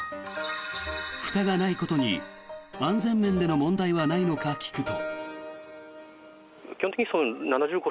ふたがないことに安全面での問題はないのか聞くと。